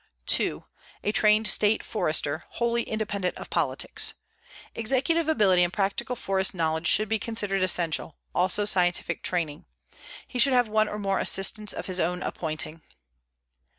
2. A trained state forester, wholly independent of politics. Executive ability and practical forest knowledge should be considered essential, also scientific training. He should have one or more assistants of his own appointing.